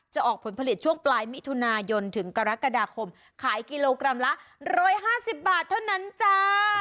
ออกผลผลิตช่วงปลายมิถุนายนถึงกรกฎาคมขายกิโลกรัมละ๑๕๐บาทเท่านั้นจ้า